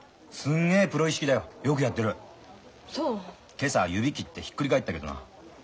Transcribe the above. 今朝指切ってひっくり返ったけどな。